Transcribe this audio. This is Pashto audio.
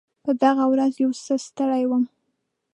په دغه ورځ یو څه ستړی وم.